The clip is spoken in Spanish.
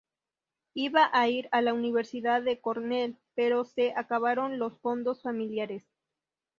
Iba a ir a la Universidad de Cornell, pero se acabaron los fondos familiares.